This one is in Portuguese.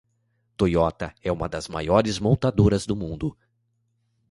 Toyota é uma das maiores montadoras do mundo.